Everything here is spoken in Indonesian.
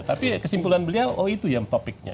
tapi kesimpulan beliau oh itu yang topiknya